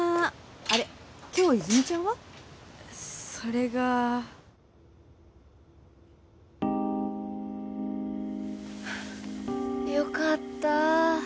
あれ今日泉ちゃんは？それがよかった